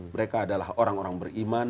mereka adalah orang orang beriman